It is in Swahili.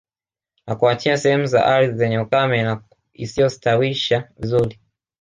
Na kuwaachia sehemu za ardhi yenye ukame na isiyostawisha vizuri